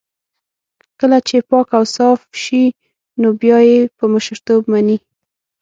کله چې پاک اوصاف شي نو بيا يې په مشرتوب مني.